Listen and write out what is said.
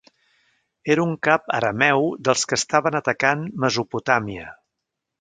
Era un cap arameu dels que estaven atacant Mesopotàmia.